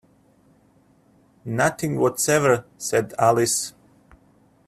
‘Nothing whatever,’ said Alice.